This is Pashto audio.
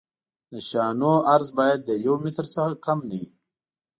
د شانو عرض باید د یو متر څخه کم نه وي